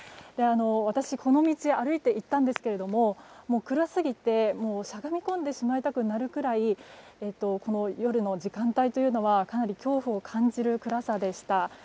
私、この道を歩いていったんですけど暗すぎて、しゃがみ込んでしまいたくなるくらい夜の時間帯というのはかなり恐怖を感じる暗さでした。